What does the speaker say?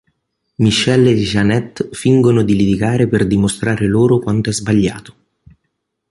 Michael e Janet fingono di litigare per dimostrare loro quanto è sbagliato.